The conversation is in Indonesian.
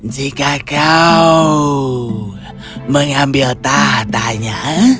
jika kau mengambil tatanya